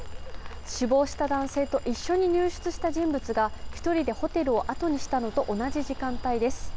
死亡した男性と一緒に入室した人物が１人でホテルを後にしたのと同じ時間帯です。